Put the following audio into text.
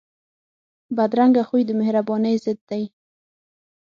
بدرنګه خوی د مهربانۍ ضد دی